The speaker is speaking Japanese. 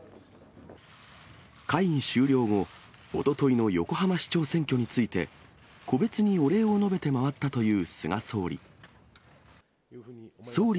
会議終了後、おとといの横浜市長選挙について、個別にお礼を述べて回ったという菅総理。